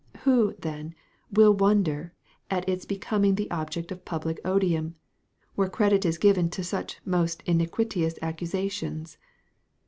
Who, then, will wonder at its becoming the object of public odium, where credit is given to such most iniquitous accusations?